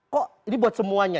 kok ini buat semuanya